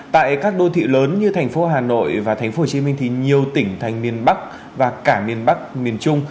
tại các đô thị lớn như tp hcm và tp hcm thì nhiều tỉnh thành miền bắc và cả miền bắc miền trung